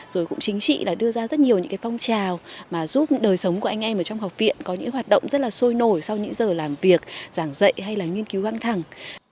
rồi cũng chính chị đã đưa ra rất nhiều những cái phong trào mà giúp đời sống của anh em ở trong học viện có những hoạt động rất là sôi nổi sau những giờ làm việc giảng dạy hay là nghiên cứu văn thẳng